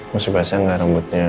masih basah gak rambutnya